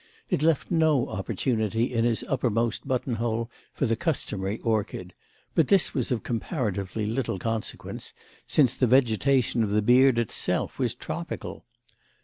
It left no opportunity in his uppermost button hole for the customary orchid; but this was of comparatively little consequence, since the vegetation of the beard itself was tropical.